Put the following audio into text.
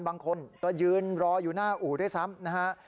บางคนก็ยืนรออยู่หน้าอู่ด้วยซ้ำนะฮะ